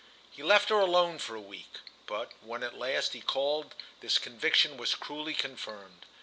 He left her alone a week, but when at last he again called this conviction was cruelly confirmed.